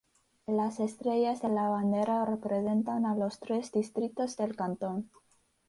Las estrellas de la bandera representan a los tres distritos del cantón.